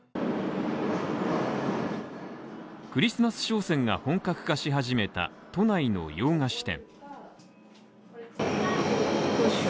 クリスマス商戦が本格化し始めた都内の洋菓子店。